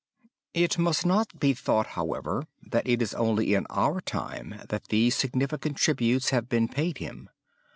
It must not be thought, however, that it is only in our time that these significant tributes have been paid him.